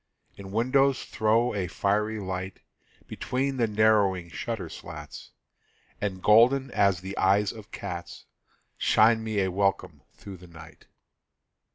Its windows throw a friendly light Between the narrowing shutter slats, And, golden as the eyes of cats, Shine me a welcome through the night.